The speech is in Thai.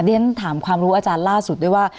เรียนถามความรู้อาจารย์ล่าสุดด้วยว่า